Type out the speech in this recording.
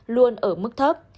luôn ở mức thấp